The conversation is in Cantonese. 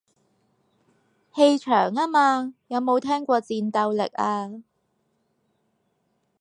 氣場吖嘛，有冇聽過戰鬥力啊